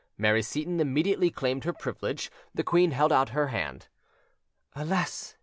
Mary Seyton immediately claimed her privilege: the queen held out to her her hand. "Alas!